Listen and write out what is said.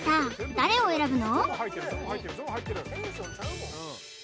誰を選ぶの？